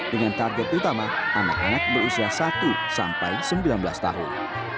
dengan target utama anak anak berusia satu sampai sembilan belas tahun